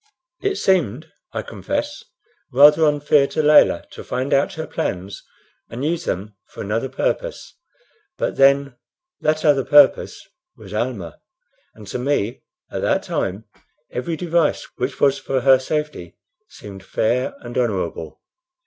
It seemed, I confess, rather unfair to Layelah to find out her plans and use them for another purpose; but then that other purpose was Almah, and to me at that time every device which was for her safety seemed fair and honorable.